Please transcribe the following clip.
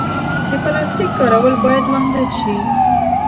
د پلاسټیک کارول باید محدود شي.